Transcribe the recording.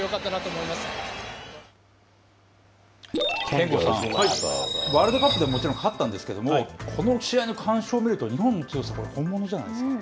憲剛さん、ワールドカップで、もちろん勝ったんですけれども、この試合の完勝を見ると、日本の強さこれは本物じゃないですか？